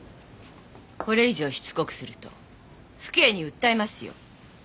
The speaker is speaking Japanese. これ以上しつこくすると府警に訴えますよ。